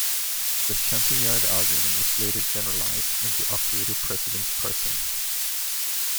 The shunting-yard algorithm was later generalized into operator-precedence parsing.